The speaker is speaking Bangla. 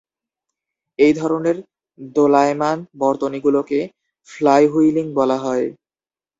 এই ধরনের দোলায়মান বর্তনীগুলোকে ফ্লাইহুইলিং বলা হয়।